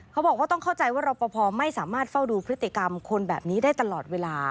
เขาบอกว่าต้องเข้าใจว่ารอปภไม่สามารถเฝ้าดูพฤติกรรมคนแบบนี้ได้ตลอดเวลา